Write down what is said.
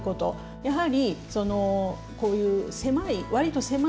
やはりこういう狭い割と狭い空間で。